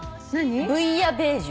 ブイヤベージュ。